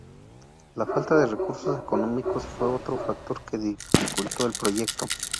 La falta de recursos económicos fue otro factor que dificultó el proyecto.